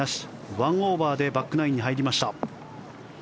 １オーバーでバックナインに入りました。